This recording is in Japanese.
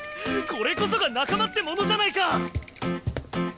これこそが仲間ってものじゃないか！